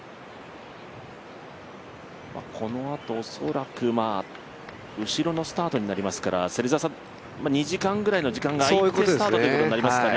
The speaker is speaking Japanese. このあと恐らく後ろのスタートになりますから２時間くらいの時間があいてスタートになりますかね？